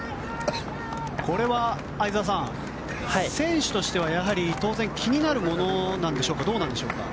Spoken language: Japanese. これは相澤さん、選手としては当然気になるものなんでしょうかどうでしょうか。